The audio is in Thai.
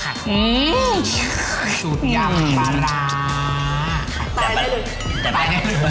สูตรยำปลาร้า